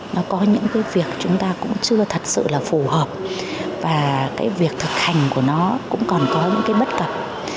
nó có những cái việc chúng ta cũng chưa thật sự là phù hợp và cái việc thực hành của nó cũng còn có những cái bất cập